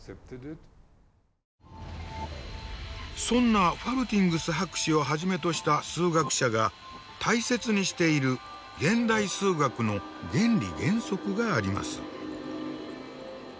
そんなファルティングス博士をはじめとした数学者が大切にしている現代数学の原理原則があります。